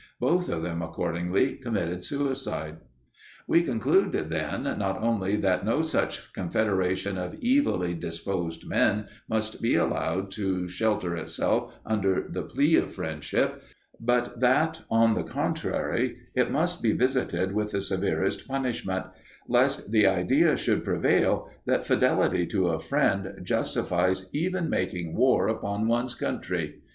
Both of them accordingly committed suicide. We conclude, then, not only that no such confederation of evilly disposed men must be allowed to shelter itself under the plea of friendship, but that, on the contrary, it must be visited with the severest punishment, lest the idea should prevail that fidelity to a friend justifies even making war upon one's country.